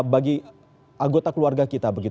bagi anggota keluarga kita